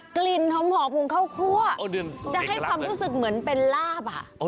กลิ่นหอมของข้าวคั่วจะให้ความรู้สึกเหมือนเป็นลาบ